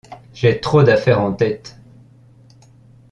J'ai trop d'affaires en tête !